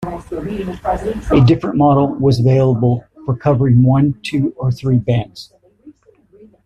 A different model was available for covering one, two, or three bands.